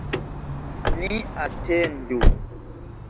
Ni atendu.